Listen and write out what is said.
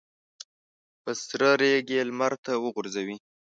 په سره ریګ یې لمر ته غورځوي.